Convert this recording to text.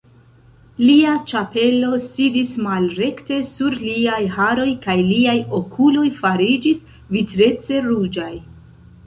Lia ĉapelo sidis malrekte sur liaj haroj kaj liaj okuloj fariĝis vitrece ruĝaj.